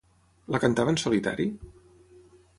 La cantava en solitari?